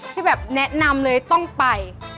ที่แบบแนะนำเลยต้องไป